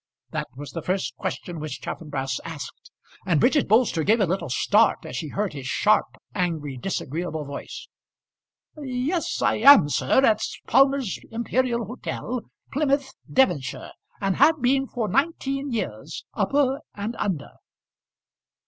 That was the first question which Chaffanbrass asked, and Bridget Bolster gave a little start as she heard his sharp, angry, disagreeable voice. "Yes, I am, sir, at Palmer's Imperial Hotel, Plymouth, Devonshire; and have been for nineteen years, upper and under."